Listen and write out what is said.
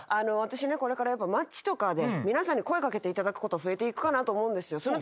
私ねこれからやっぱ街とかで皆さんに声掛けていただくこと増えていくかなと思うんですよ。